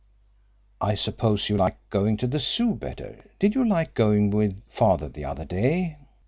"I suppose you like going to the Zoo better? Did you like going with father the other day?"